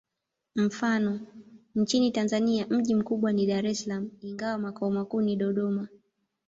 Mfano: nchini Tanzania mji mkubwa ni Dar es Salaam, ingawa makao makuu ni Dodoma.